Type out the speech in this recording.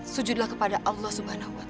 sujudlah kepada allah swt